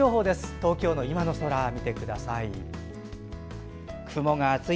東京の今の空を見てください。